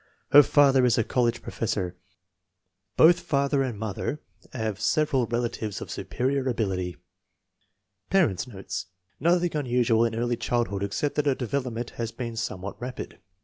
Her father is a college professor. Both father and mother have several relatives of superior ability. Parents 9 notes. Nothing unusual in early child hood except that her development has been some what rapid.